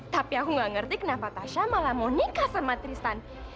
tapi aku gak ngerti kenapa tasha malah mau nikah sama tristan